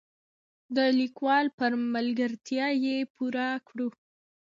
د لیکوال په ملګرتیا یې پوره کړو.